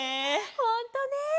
ほんとね。